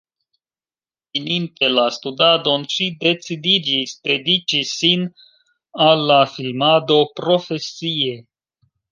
Fininte la studadon ŝi decidiĝis dediĉi sin al la filmado profesie.